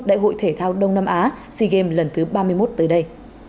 đại hội thể thao đông nam á sea games lần thứ ba mươi một tới đây